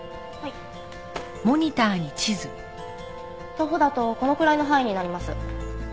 徒歩だとこのくらいの範囲になります。